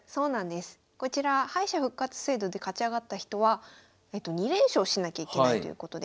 こちら敗者復活制度で勝ち上がった人は２連勝しなきゃいけないということで。